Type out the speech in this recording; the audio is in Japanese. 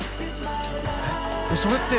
えっそれって。